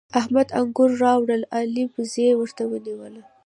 احمد انګور راوړل؛ علي بږۍ ورته ونيو.